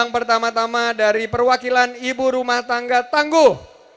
yang pertama tama dari perwakilan ibu rumah tangga tangguh